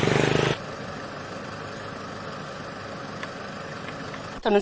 สวัสดีครับทุกคน